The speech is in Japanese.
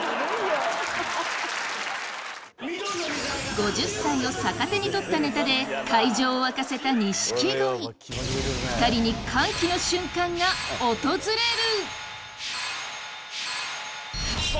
５０歳を逆手に取ったネタで会場を沸かせた錦鯉２人に歓喜の瞬間が訪れる！